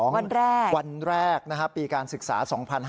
วันแรกวันแรกปีการศึกษา๒๕๕๙